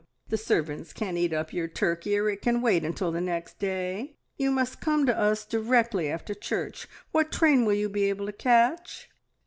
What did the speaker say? The servants can eat up your turkey, or it can wait until the next day. You must come to us directly after church. What train will you be able to catch?"